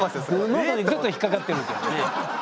喉にグッと引っ掛かってるんだよね。